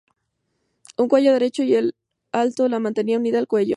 Un cuello derecho y alto la mantenía unida al cuello.